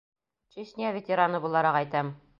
Чечня ветераны булараҡ әйтәм.